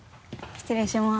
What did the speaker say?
失礼します。